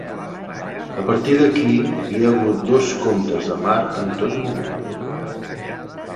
A partir d'aquí, hi ha hagut dos comtes de Mar en tot moment.